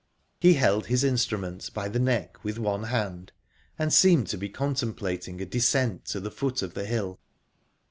He held his instrument by the neck with one hand, and seemed to be contemplating a descent to the foot of the hill.